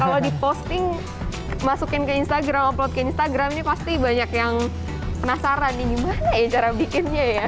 kalau diposting masukin ke instagram upload ke instagram ini pasti banyak yang penasaran nih gimana ya cara bikinnya ya